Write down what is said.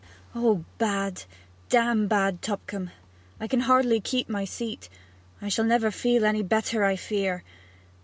'Oh, bad; damn bad, Tupcombe! I can hardly keep my seat. I shall never be any better, I fear!